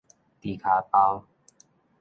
豬跤包